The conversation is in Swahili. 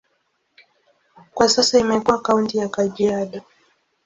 Kwa sasa imekuwa kaunti ya Kajiado.